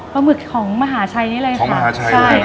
ปลาหมึกของมหาชัยนี่เลยค่ะของมหาชัยเลยค่ะ